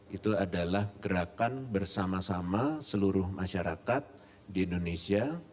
itu adalah gerakan bersama sama seluruh masyarakat di indonesia